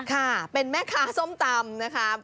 ค่ะเป็นแม่ค้าส้มตำนะคะ